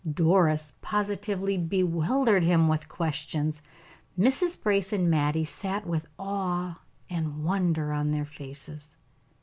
Doris positively bewildered him with questions. Mrs. Brace and Mattie sat with awe and wonder on their faces.